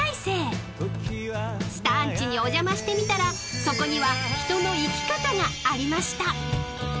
［スターん家にお邪魔してみたらそこには人の生き方がありました］